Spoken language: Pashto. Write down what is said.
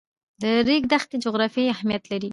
د ریګ دښتې جغرافیایي اهمیت لري.